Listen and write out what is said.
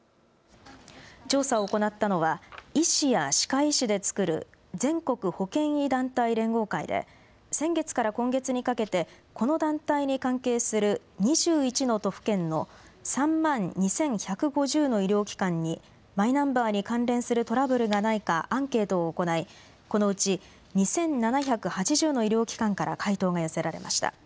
調査を行ったのは医師や歯科医師で作る全国保険医団体連合会で先月から今月にかけてこの団体に関係する２１の都府県の３万２１５０の医療機関にマイナンバーに関連するトラブルがないかアンケートを行い、このうち２７８０の医療機関から回答が寄せられました。